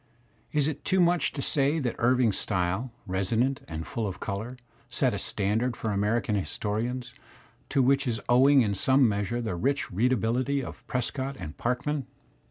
Is it too much to say that Irving's style, resonant and full of colour, set a standard for American historians, to which is owing in some measure the rich readability of Prescott and Farkman?